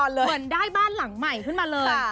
เหมือนได้บ้านหลังใหม่ขึ้นมาเลย